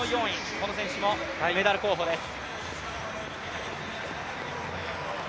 この選手もメダル候補です。